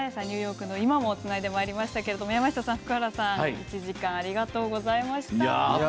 ニューヨークの今をつないでまいりましたけど山下さん、福原さん１時間、ありがとうございました。